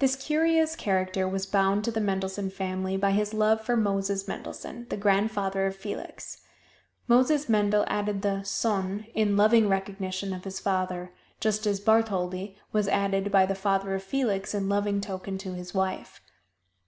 This curious character was bound to the Mendelssohn family by his love for Moses Mendelssohn, the grandfather of Felix. Moses Mendel added the "sohn" in loving recognition of his father, just as "Bartholdy" was added by the father of Felix in loving token to his wife.